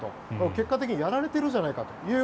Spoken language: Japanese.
結果的にやられているじゃないかと。